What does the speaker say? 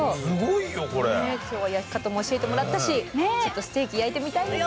今日は焼き方も教えてもらったしちょっとステーキ焼いてみたいですね。